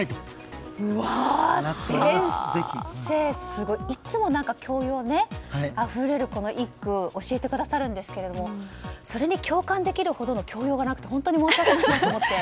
すごい！いつも教養あふれる一句を教えてくださるんですがそれに共感できるほどの教養がなくて本当に申し訳なく思って。